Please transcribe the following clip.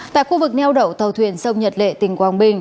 tại khu vực neo đậu tàu thuyền sông nhật lệ tỉnh quảng bình